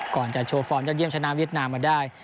ก่อนจะโชว์ฟอร์มยอดเยี่ยมชนะเวียดนามมาได้